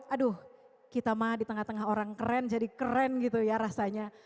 aduh kita mah di tengah tengah orang keren jadi keren gitu ya rasanya